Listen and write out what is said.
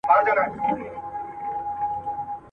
د هیلو تر مزاره مي اجل راته راغلی.